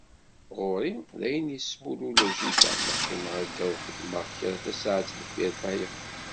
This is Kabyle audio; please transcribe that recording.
Ɣur-i d ayen yesmullun a jidda ma qqimeɣ akka ur xeddmeɣ kra tasaεet deffir tayeḍ.